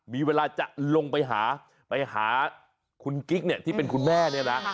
มีเวลาจะลงไปหาไปหาคุณกิ๊กเนี่ยที่เป็นคุณแม่เนี่ยนะ